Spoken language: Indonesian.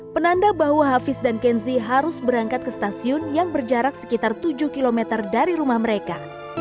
penanda bahwa hafiz dan kenzi harus berangkat ke stasiun yang berjarak sekitar tujuh km dari rumah mereka